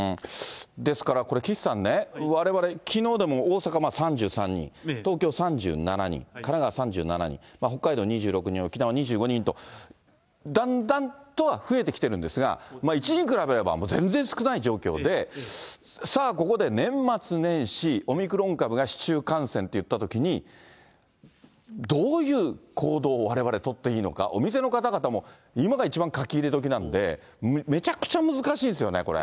ですからこれ、岸さんね、われわれ、きのうでも大阪３３人、東京３７人、神奈川３７人、北海道２６人、沖縄２５人と、だんだんとは増えてきているんですが、一時に比べれば、全然少ない状況で、さあ、ここで年末年始、オミクロン株が市中感染といったときに、どういう行動を、われわれ取っていいのか、お店の方々も、今が一番書き入れ時なんで、めちゃくちゃ難しいんですよね、これ。